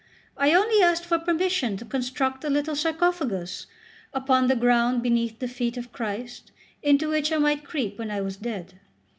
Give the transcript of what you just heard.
I only asked for permission to construct a little sarcophagus upon the ground beneath the feet of Christ, into which I might creep when I was dead.